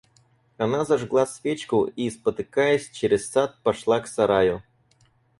Она зажгла свечку и, спотыкаясь, через сад пошла к сараю.